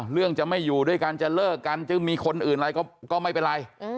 เรื่องจะไม่อยู่ด้วยกันจะเลิกกันจะมีคนอื่นอะไรก็ไม่เป็นไร